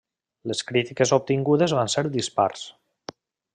Les crítiques obtingudes van ser dispars.